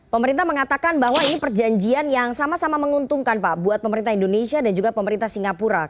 pemerintah mengatakan bahwa ini perjanjian yang sama sama menguntungkan pak buat pemerintah indonesia dan juga pemerintah singapura